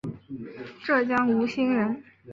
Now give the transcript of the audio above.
浙江吴兴人。